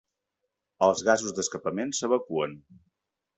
Els gasos d'escapament s'evacuen.